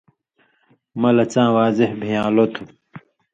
مہ لہ څاں واضح بِھیان٘لو تھُو۔